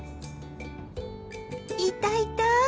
いたいた！